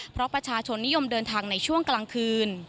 เพราะประชาชนนิยมเดินทางในช่วงกลางคืน